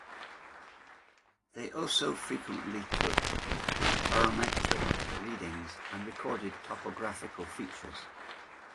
They also frequently took barometric readings and recorded topographical features.